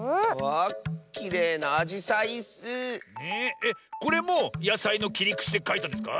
えっこれもやさいのきりくちでかいたんですか？